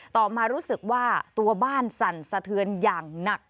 ต่อมารู้สึกว่าตัวบ้านสั่นสะเทือนอย่างหนัก